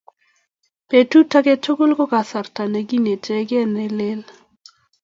petut age tugul ko kasarta ne kinetigei nelel